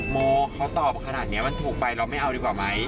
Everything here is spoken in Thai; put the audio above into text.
โมเขาตอบขนาดนี้มันถูกไปเราไม่เอาดีกว่าไหม